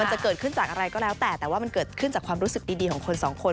จะเกิดขึ้นจากอะไรก็แล้วแต่แต่ว่ามันเกิดขึ้นจากความรู้สึกดีของคนสองคน